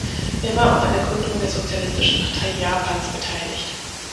Er war auch an der Gründung der Sozialistischen Partei Japans beteiligt.